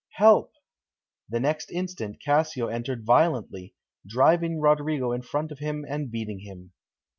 help!" The next instant Cassio entered violently, driving Roderigo in front of him and beating him.